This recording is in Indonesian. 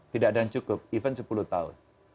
tidak ada yang cukup even sepuluh tahun